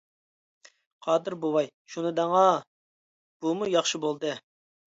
قادىر بوۋاي:-شۇنى دەڭا، بۇمۇ ياخشى بولدى.